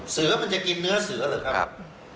เสือมันจะกินเนื้อเสือหรือครับ